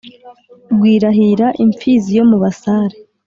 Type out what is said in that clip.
rwirahira, imfizi yo mu basare